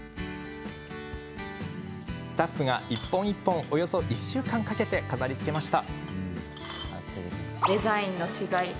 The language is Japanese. スタッフが一本一本およそ１週間かけて飾りつけました。